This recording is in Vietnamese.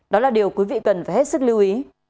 đó là điều quý vị cần phải hết sức lưu ý